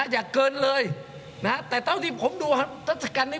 อย่าเกินเลยแต่ตอนที่ผมดูทศกัณฐ์นี้